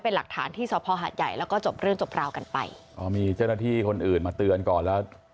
เป็นหลักฐานที่สภหาดใหญ่แล้วก็จบเรื่องจบราวกันไปอ๋อมีเจ้าหน้าที่คนอื่นมาเตือนก่อนแล้ว